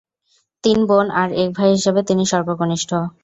তিন বোন আর এক ভাই হিসেবে তিনি সর্বকনিষ্ঠ।